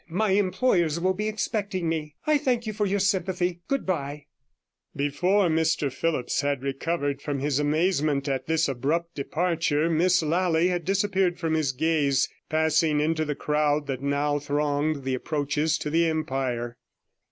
My employers will be expecting me. I thank you for your sympathy. Goodbye.' 82 Before Mr Phillipps had recovered from his amazement at this abrupt departure Miss Lally had disappeared from his gaze, passing into the crowd that now thronged the approaches to the Empire.